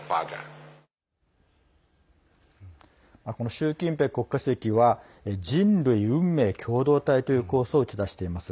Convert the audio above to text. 習近平国家主席は人類運命共同体という構想を打ち出しています。